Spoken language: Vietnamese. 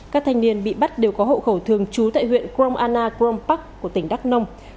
các thanh niên bị bắt đều có hậu khẩu thường trú tại huyện crom anna crom park của tỉnh đắk nông